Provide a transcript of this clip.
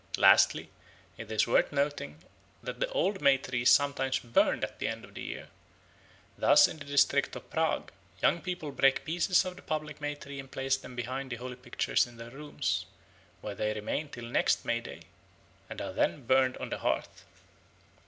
Lastly, it is worth noting that the old May tree is sometimes burned at the end of the year. Thus in the district of Prague young people break pieces of the public May tree and place them behind the holy pictures in their rooms, where they remain till next May Day, and are then burned on the hearth.